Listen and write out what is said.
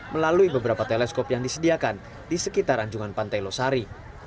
melalui beberapa teleskop yang disediakan di sekitar anjungan pantai losari